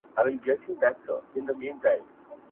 نه له خدای او نه رسوله یې بېرېږې,